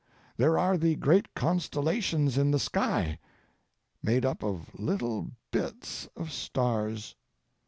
There are the great constellations in the sky, made up of little bits of stars.